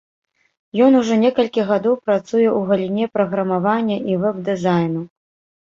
Ён ужо некалькі гадоў працуе ў галіне праграмавання і вэб-дызайну.